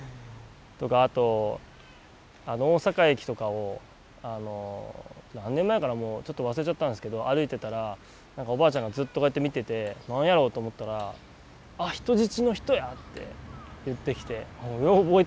あと大阪駅とかを何年前かなちょっと忘れちゃったんですけど歩いてたらおばあちゃんがずっとこうやって見てて何やろうと思ったらあ人質の人やって言ってきてよう覚えてるなみたいなあったりとか。